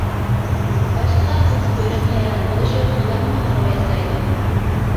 باشقىلار بۇنى كۆرۈپ ھەيران بولۇشۇپ، ئۇلارمۇ ھارۋا ياسايدۇ.